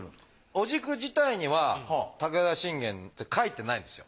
お軸自体には武田信玄って書いてないんですよ。